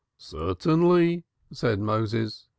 "Certainly," said Moses.